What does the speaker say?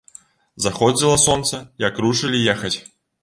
Заходзіла сонца, як рушылі ехаць.